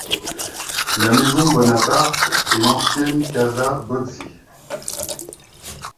La maison Bonaparte est l'ancienne Casa Bozzi.